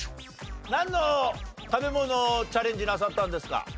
なんの食べ物をチャレンジなさったんですか？